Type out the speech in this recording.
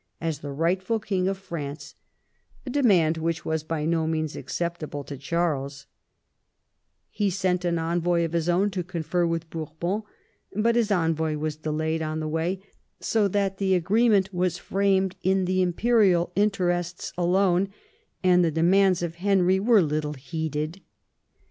as the rightful King of France — a demand which was by no means acceptable to Charlea He sent an envoy of his own to confer with Bourbon, but his envoy was delayed on the way, so that the agreement was framed in the imperial interests alone, and the demands of Henry were little heeded.